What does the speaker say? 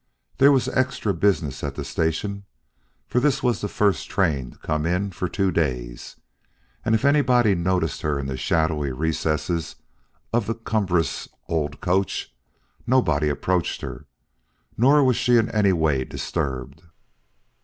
There was extra business at the station, for this was the first train to come in for two days; and if anyone noticed her in the shadowy recesses of the cumbrous old coach, nobody approached her; nor was she in any way disturbed.